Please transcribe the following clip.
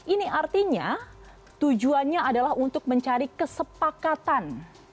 ini artinya tujuannya adalah untuk mencari kesepakatan